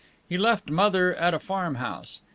He left Mother at a farm house.